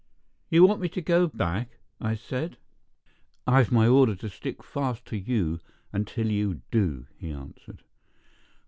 "You want me to go back?" I said. "I've my order to stick fast to you until you do," he answered.